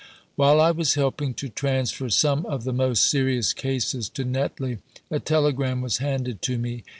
While I was helping to transfer some of the most serious cases to Netley, a telegram was handed to me.